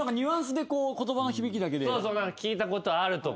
聞いたことあるとか。